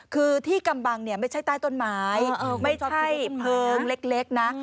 คือที่กำบังเนี่ยไม่ใช่ใต้ต้นไม้ไม่ใช่เพลิงเล็กนะ